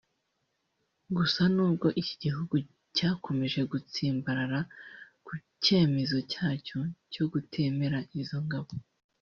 Gusa n’ubwo iki gihugu cyakomeje gutsimbarara ku cyemezo cyacyo cyo kutemera izo ngabo